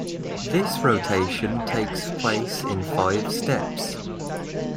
This rotation takes place in five steps.